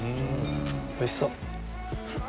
おいしそう。